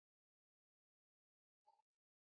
weka mafuta vijiko mbili kenye unga